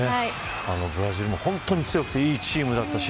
ブラジルも本当に強くていいチームだったし。